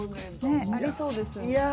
ねっありそうですよね。